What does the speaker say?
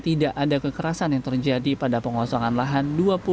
tidak ada kekerasan yang terjadi pada pengosongan lahan